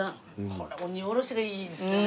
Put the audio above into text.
これ鬼おろしがいいですよね。